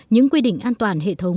những quy định an toàn hệ thống